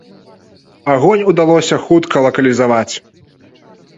Агонь удалося хутка лакалізаваць.